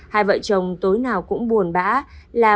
hai vợ chồng tối nào cũng buồn bã